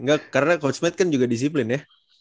nggak karena coach matt kan juga disiplin ya